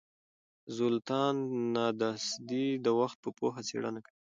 زولتان ناداسدي د وخت په پوهه څېړنه کوي.